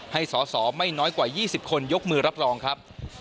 ให้สอสอไม่น้อยกว่า๒๐คนยกมือรับรองครับ